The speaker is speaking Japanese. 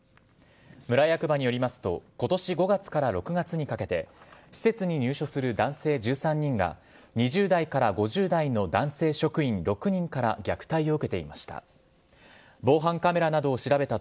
村役場によりますと、ことし５月から６月にかけて、施設に入所する男性１３人が、２０代から５０代の男性職員６人から虐待を受けていました。